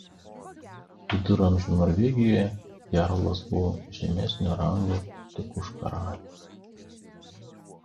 Viduramžių Norvegijoje jarlas buvo žemesnio rango tik už karalių.